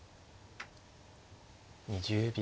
２０秒。